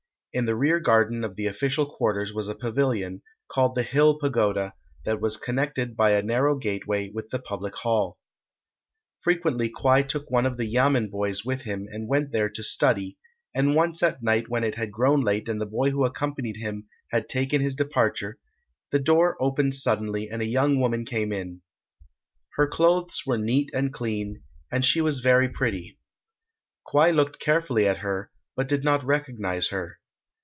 In the rear garden of the official quarters was a pavilion, called the Hill Pagoda, that was connected by a narrow gateway with the public hall. Frequently Kwai took one of the yamen boys with him and went there to study, and once at night when it had grown late and the boy who accompanied him had taken his departure, the door opened suddenly and a young woman came in. Her clothes were neat and clean, and she was very pretty. Kwai looked carefully at her, but did not recognize her.